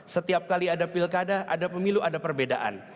setiap kali ada pilkada ada pemilu ada perbedaan